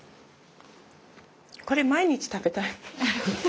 これ毎日食べたい。